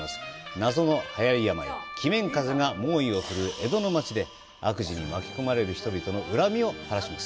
謎の流行り病「鬼面風邪」が猛威を振るう江戸の町で悪事に巻き込まれる人々の恨みを晴らします。